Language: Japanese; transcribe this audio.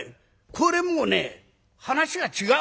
これもうね話が違う。